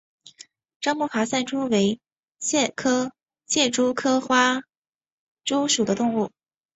樟木爬赛蛛为蟹蛛科花蛛属的动物。